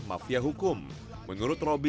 mafia hukum menurut robi